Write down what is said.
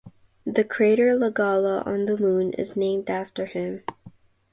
The crater Lagalla on the Moon is named after him.